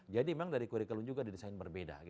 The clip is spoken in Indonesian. jadi memang dari kurikulum juga didesain berbeda